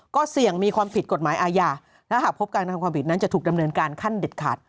ก็เสี่ยงมีความผิดกฎหมายอาญาและหากพบการกระทำความผิดนั้นจะถูกดำเนินการขั้นเด็ดขาด